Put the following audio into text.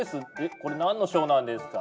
これなんの賞なんですか？